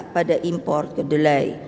pada impor gedulai